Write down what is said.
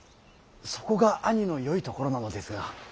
そこが兄のよいところなのですが。